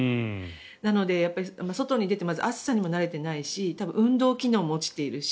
なので、外に出てまず暑さにも慣れていないし運動機能も落ちているし